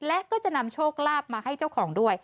และก็จะนำโชคลาภมาให้เจ้าของด้วย